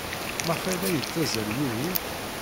Maɣef ay la yettazzal Yidir?